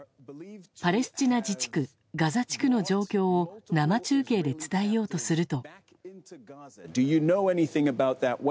パレスチナ自治区ガザ地区の状況を生中継で伝えようとすると。